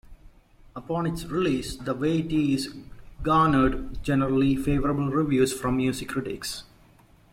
Upon its release, "The Way It is" garnered generally favorable reviews from music critics.